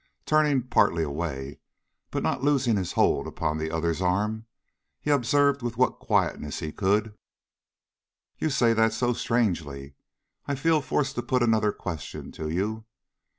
Turning partly away, but not losing his hold upon the other's arm, he observed with what quietness he could: "You say that so strangely, I feel forced to put another question to you.